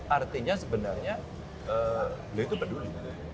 artinya sebenarnya beliau itu peduli